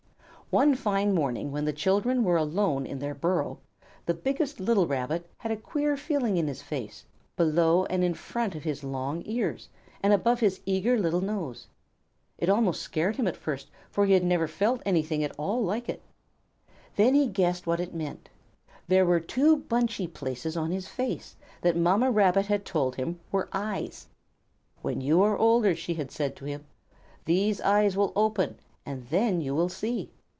One fine morning when the children were alone in their burrow, the biggest little Rabbit had a queer feeling in his face, below and in front of his long ears, and above his eager little nose. It almost scared him at first, for he had never before felt anything at all like it. Then he guessed what it meant. There were two bunchy places on his face, that Mamma Rabbit had told him were eyes. "When you are older," she had said to him, "these eyes will open, and then you will see."